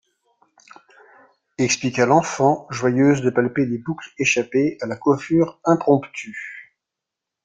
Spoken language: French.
Expliqua l'enfant, joyeuse de palper les boucles échappées à la coiffure impromptue.